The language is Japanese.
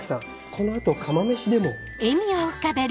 この後釜飯でも。